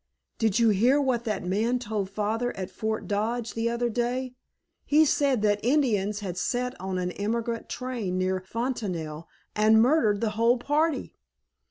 "Did you hear what that man told Father at Fort Dodge the other day? He said that Indians had set on an emigrant train near Fontanelle and murdered the whole party."